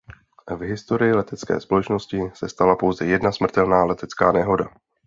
V historii letecké společnosti se stala pouze jedna smrtelná letecká nehoda.